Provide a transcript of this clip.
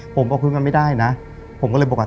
ผมเอาขึ้นกันไม่ได้นะผมก็เลยบอกว่า